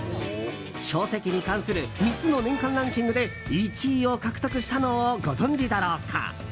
書籍に関する３つの年間ランキングで１位を獲得したのをご存じだろうか。